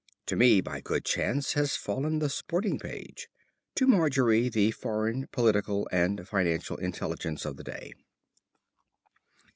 To me, by good chance, has fallen the sporting page; to Margery, the foreign, political and financial intelligence of the day.